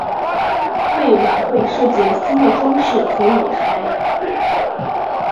为晚会设计了新的装饰和舞台。